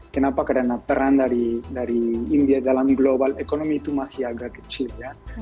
kenapa karena peran dari india dalam global economy itu masih agak kecil ya